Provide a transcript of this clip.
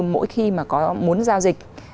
mỗi khi mà có muốn giao dịch